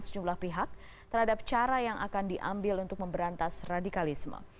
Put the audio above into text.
sejumlah pihak terhadap cara yang akan diambil untuk memberantas radikalisme